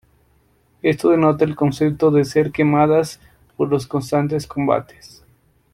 Esto denota el concepto de ser "quemadas" por los constantes combates.